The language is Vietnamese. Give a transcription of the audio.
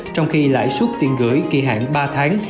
trong khi lãi suất tiền gửi kỳ hạn ba tháng